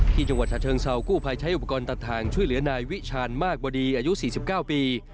จังหวัดชาเชิงเซากู้ภัยใช้อุปกรณ์ตัดทางช่วยเหลือนายวิชาญมากบดีอายุ๔๙ปี